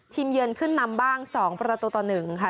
เยือนขึ้นนำบ้าง๒ประตูต่อ๑ค่ะ